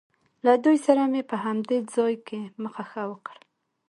له دوی سره مې په همدې ځای کې مخه ښه وکړ.